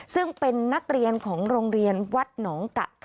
ซึ่งเป็นนักเรียนของโรงเรียนวัดหนองกะ